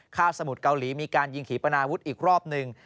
สมุทรเกาหลีมีการยิงขี่ปนาวุฒิอีกรอบหนึ่ง